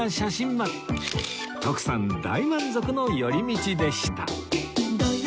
徳さん大満足の寄り道でした